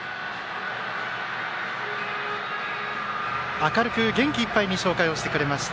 明るく元気いっぱいに紹介をしてくれました。